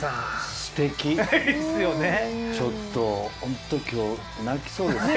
ちょっと本当、今日泣きそうです。